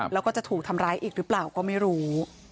แล้วก็จะถูกทำร้ายอีกหรือเปล่าก็ไม่รู้